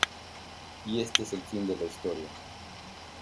y este es el fin de la historia.